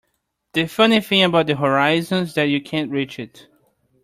The funny thing about the horizon is that you can't reach it.